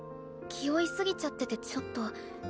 「気負いすぎちゃっててちょっと」。